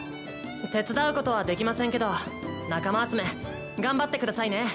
手伝うことはできませんけど仲間集め頑張ってくださいね。